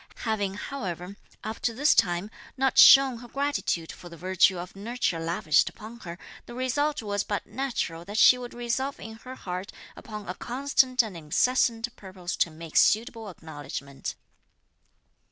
Having, however, up to this time, not shewn her gratitude for the virtue of nurture lavished upon her, the result was but natural that she should resolve in her heart upon a constant and incessant purpose to make suitable acknowledgment.